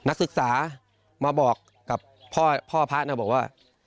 นักศึกษามาบอกกับพ่อพระนะบอกว่า